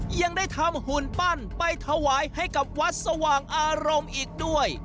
ยังได้ทำหุ่นปั้นไปถวายให้กับวัดสว่างอารมณ์อีกด้วย